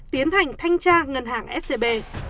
tiến hành thanh tra ngân hàng scb